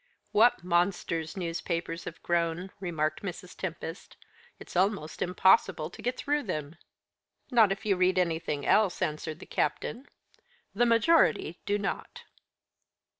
"What monsters newspapers have grown," remarked Mrs. Tempest. "It's almost impossible to get through them." "Not if you read anything else," answered the captain. "The majority do not."